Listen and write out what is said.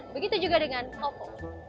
begitu juga dengan oppo